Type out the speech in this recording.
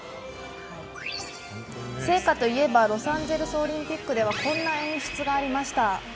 聖火といえばロサンゼルスオリンピックではこんな演出がありました。